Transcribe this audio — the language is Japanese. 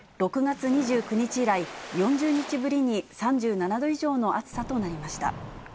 ６月２９日以来、４０日ぶりに３７度以上の暑さとなりました。